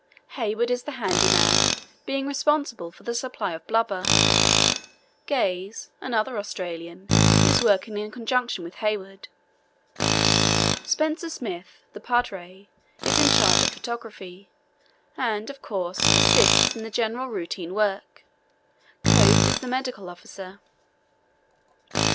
Hayward is the handy man, being responsible for the supply of blubber. Gaze, another Australian, is working in conjunction with Hayward. Spencer Smith, the padre, is in charge of photography, and, of course, assists in the general routine work. Cope is the medical officer.